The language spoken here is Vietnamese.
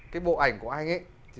cái bộ ảnh của anh ấy